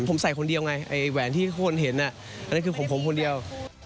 ผมใส่คนเดียวไงไอ้แหวนที่คนเห็นอันนั้นคือของผมคนเดียว